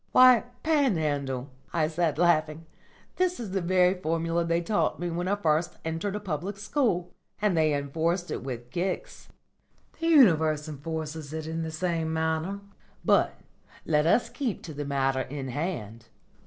_'" "Why, Panhandle," I said laughing, "that is the very formula they taught me when I first entered a Public School. And they enforced it with kicks." "The Universe enforces it in the same manner. But let us keep to the matter in hand.